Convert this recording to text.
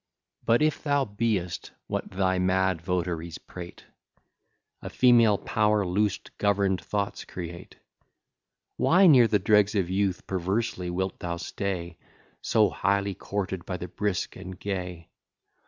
But if thou be'st what thy mad votaries prate, A female power, loose govern'd thoughts create; Why near the dregs of youth perversely wilt thou stay, So highly courted by the brisk and gay?